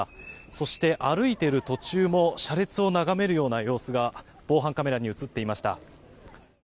そして、歩いてる途中も車列を眺める様子が防犯カメラに映っていました。